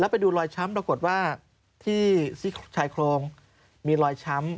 ไปดูรอยช้ำปรากฏว่าที่ชายโครงมีรอยช้ำ